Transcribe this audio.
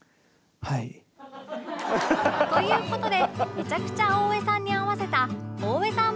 という事でめちゃくちゃ大江さんに合わせた大江さん